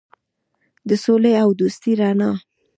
د سولې او دوستۍ رڼا.